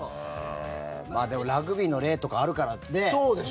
でもラグビーの例とかあるからね。